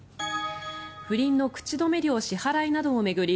不倫の口止め料支払いなどを巡り